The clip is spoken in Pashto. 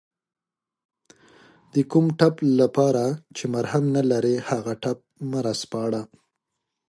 د کوم ټپ لپاره چې مرهم نلرې هغه ټپ مه راسپړه